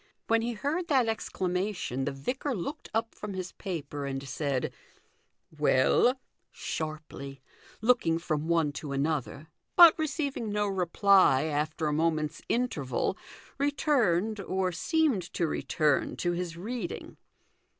When he heard that exclama tion the vicar looked up from his paper and said, " Well ?" sharply, looking from one to another ; but receiving no reply after a moment's interval returned, or seemed to return, to his reading.